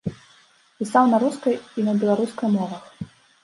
Пісаў на рускай і на беларускай мовах.